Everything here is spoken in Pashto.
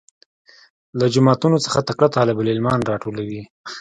له جوماتو څخه تکړه طالب العلمان راټولوي.